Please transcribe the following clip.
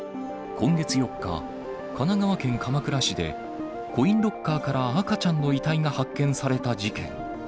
今月４日、神奈川県鎌倉市で、コインロッカーから赤ちゃんの遺体が発見された事件。